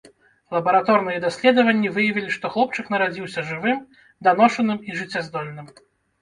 Лабараторныя даследаванні выявілі, што хлопчык нарадзіўся жывым, даношаным і жыццяздольным.